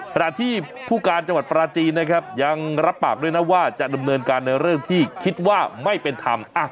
ขณะที่ผู้การจังหวัดปราจีนนะครับยังรับปากด้วยนะว่าจะดำเนินการในเรื่องที่คิดว่าไม่เป็นธรรม